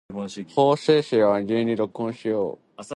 法政生は真面目に録音しよう